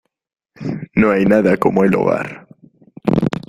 No hay nada como el hogar.